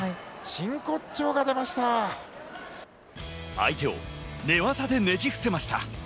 相手を寝技でねじ伏せました。